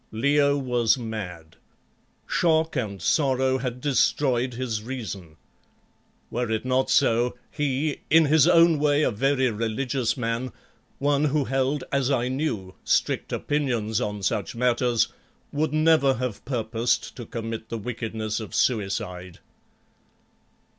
Leo was mad: shock and sorrow had destroyed his reason. Were it not so, he, in his own way a very religious man, one who held, as I knew, strict opinions on such matters, would never have purposed to commit the wickedness of suicide.